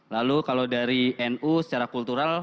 lalu kalau dari nu secara kultural